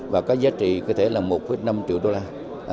và có giá trị có thể là một năm triệu đô la